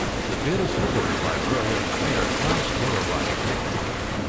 The bid is supported by Berlin's mayor Klaus Wowereit.